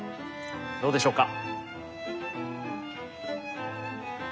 どうでしょうか？